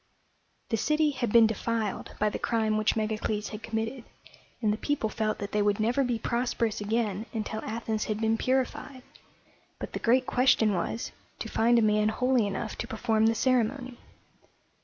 The city had been defiled by the crime which Megacles had committed, and the people felt that they would never be prosperous again until Athens had been purified; but the great question was to find a man holy enough to perform the ceremony.